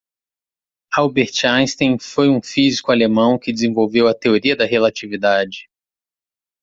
Albert Einstein foi um físico alemão que desenvolveu a Teoria da Relatividade.